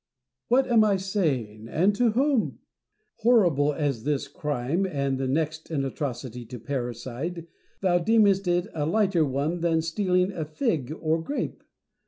What am I saying 1 and to whom ? Horrible as is this crime, and next in atrocity to parricide, thou deemest it a lighter one than stealing a fig or grape.